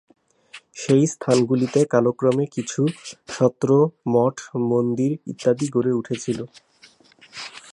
সেই স্থানগুলিতে কালক্রমে কিছু সত্র, মঠ-মন্দির ইত্যাদি গড়ে উঠেছিল।